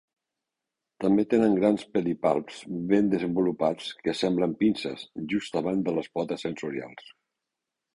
També tenen grans pedipalps ben desenvolupats que semblen pinces, just abans de les potes sensorials.